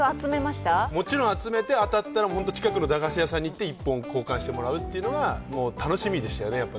もちろん集めて当たったら、近くの駄菓子屋さんに行って１本交換してもらうというのが楽しみでしたね。